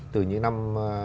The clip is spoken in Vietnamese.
từ những năm năm mươi sáu mươi